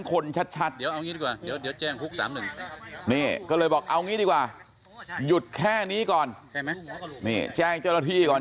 คนชัดนี่ก็เลยบอกเอานี้ดีกว่าหยุดแค่นี้ก่อนแจ้งจรภีร์